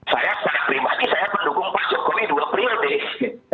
saya saya pribadi saya mendukung pak jokowi dua prioritas